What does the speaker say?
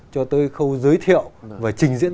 cho tới khâu giới thiệu và trình diễn